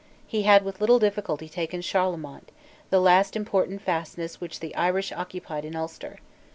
He had with little difficulty taken Charlemont, the last important fastness which the Irish occupied in Ulster.